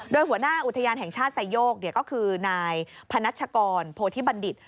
โดยหัวหน้าอุทยานแห่งชาติไซโยกก็คือนายพนัชกรโพธิบัณฑิต